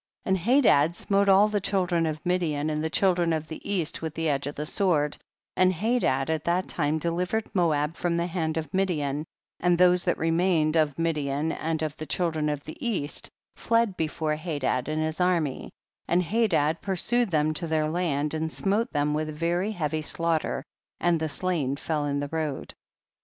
And Hadad smote all the chil dren of Midian and the children of the east with the edge of the sword, and Hadad at that time delivered Moab from the hand of Midian, and those that remained of Midian and of the children of the east fled before Hadad and his army, and Hadad pur sued them to their land, and smote them with a very heavy slaughter, and the slain fell in the road.